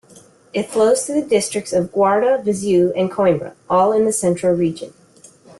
It flows through the districts of Guarda, Viseu and Coimbra, all in Centro Region.